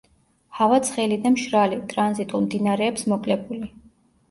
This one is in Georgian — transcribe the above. ჰავა ცხელი და მშრალი, ტრანზიტულ მდინარეებს მოკლებული.